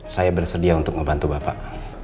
saya bersedia untuk membantu bapak